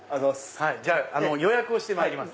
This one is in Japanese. じゃあ予約をしてまいります。